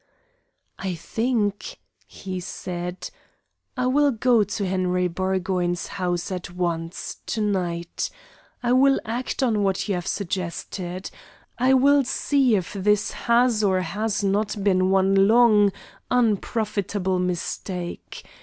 "I think," he said, "I will go to Henry Burgoyne's house at once, to night. I will act on what you have suggested. I will see if this has or has not been one long, unprofitable mistake.